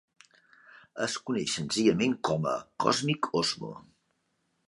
Es coneix senzillament com a "Cosmic Osmo".